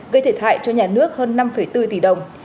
gây thiệt hại cho nhà nước hơn năm bốn tỷ đồng